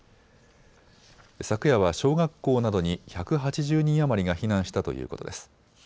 昨夜は小学校などに１８０人余りが避難したということです。